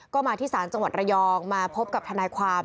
ก็มาที่ศาลจังหวัดระยองมาพบกับทนายความ